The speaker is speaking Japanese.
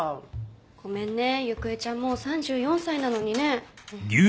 ごめんねゆくえちゃんもう３４歳なのにね。